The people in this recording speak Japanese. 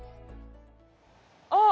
あっ！